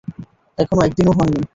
এখনো একদিনও হয়নি!